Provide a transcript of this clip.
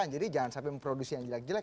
jangan sampai memproduksi yang jelek jelek